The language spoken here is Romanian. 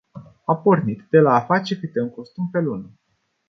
A pornit de la a face câte un costum pe lună.